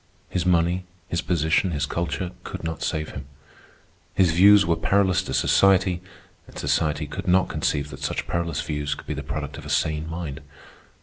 His money, his position, his culture, could not save him. His views were perilous to society, and society could not conceive that such perilous views could be the product of a sane mind.